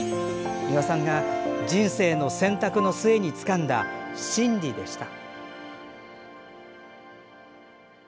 美輪さんが人生の選択の末につかんだ真理でした。